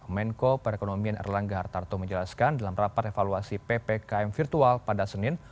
menko perekonomian erlangga hartarto menjelaskan dalam rapat evaluasi ppkm virtual pada senin